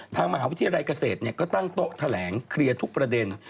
ทางมหาวิทยาลัยเกษตรก็ตั้งโต๊ะแถลงเคลียร์ทุกประเด็น